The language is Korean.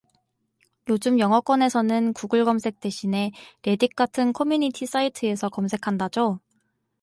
요즘 영어권에서는 구글 검색 대신에 레딧 같은 커뮤니티 사이트에서 검색한다죠?